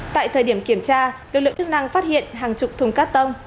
tại thời điểm kiểm tra lực lượng chức năng phát hiện hàng chục thùng cát tông